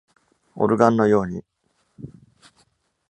オルガンのように。